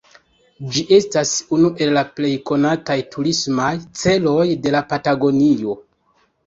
Ĝi estas unu el la plej konataj turismaj celoj de Patagonio.